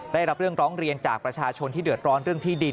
ได้รับเรื่องร้องเรียนจากประชาชนที่เดือดร้อนเรื่องที่ดิน